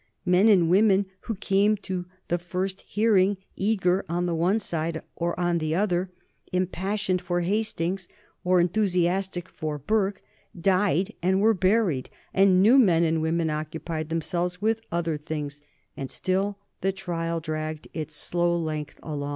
Men and women who came to the first hearing eager on the one side or the other, impassioned for Hastings or enthusiastic for Burke, died and were buried, and new men and women occupied themselves with other things, and still the trial dragged its slow length along.